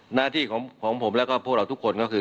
หน้าที่ของผมแล้วก็พวกเราทุกคนก็คือ